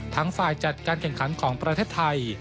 ฝ่ายจัดการแข่งขันของประเทศไทย